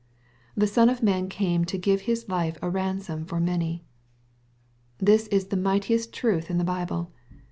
"The Son of man came to give his life a ransom for many." This is the mightiest truth in the Bible.